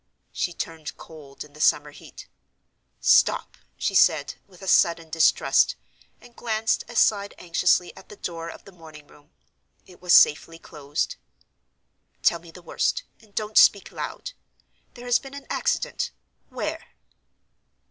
She turned cold in the summer heat. "Stop!" she said, with a sudden distrust, and glanced aside anxiously at the door of the morning room. It was safely closed. "Tell me the worst; and don't speak loud. There has been an accident. Where?"